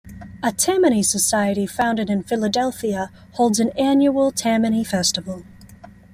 A Tammany society founded in Philadelphia holds an annual Tammany festival.